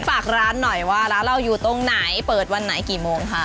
ฝากร้านหน่อยว่าร้านเราอยู่ตรงไหนเปิดวันไหนกี่โมงค่ะ